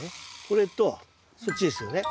これとそっちですよね。